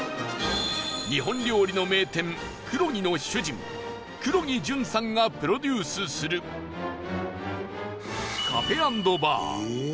日本料理の名店、くろぎの主人黒木純さんがプロデュースするカフェ＆バー廚